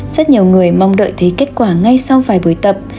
rất nhiều người mong đợi thấy kết quả ngay sau vài buổi tập